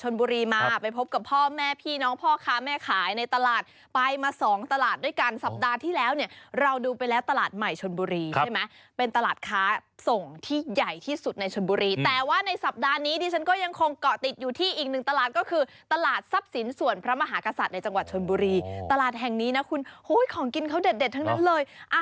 น่ารักไปดูบรรยากาศพร้อมกันค่ะ